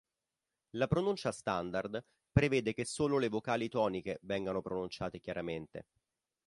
La pronuncia standard prevede che solo le vocali toniche vengano pronunciate chiaramente.